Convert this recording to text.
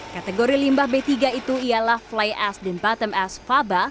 kategori limbah b tiga itu ialah fly as dan bottom as faba